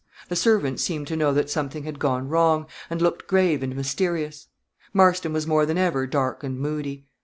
The servants seemed to know that something had gone wrong, and looked grave and mysterious. Marston was more than ever dark and moody.